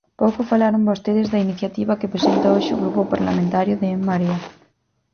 Pouco falaron vostedes da iniciativa que presenta hoxe o Grupo Parlamentario de En Marea.